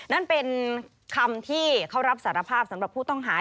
นั่นเป็นคำที่เขารับสารภาพสำหรับผู้ต้องหา